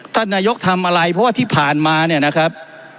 ท่านนายกทำอะไรเพราะว่าที่ผ่านมาเนี่ยนะครับ